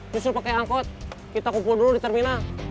justru pakai angkot kita kumpul dulu di terminal